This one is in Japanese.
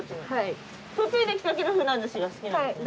はい。